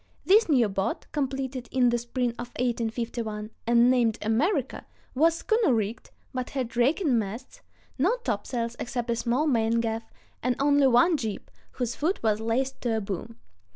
This new boat, completed in the spring of 1851, and named America, was schooner rigged, but had raking masts, no topsails except a small main gaff, and only one jib, whose foot was laced to a boom.